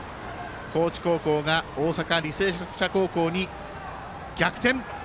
高知高校が大阪・履正社高校に逆転。